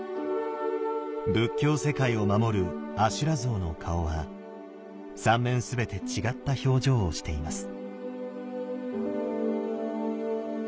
仏教世界を守る阿修羅像の顔は３面全て違った表情をしています。